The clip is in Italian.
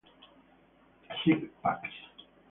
Six Pack